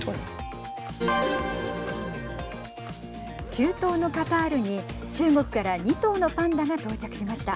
中東のカタールに中国から２頭のパンダが到着しました。